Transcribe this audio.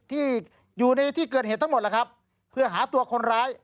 ที่อยู่ในที่เกิดเหตุทั้งหมดแล้วครับเพื่อหาตัวคนร้าย